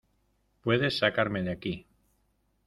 Puedes sacarme de aquí.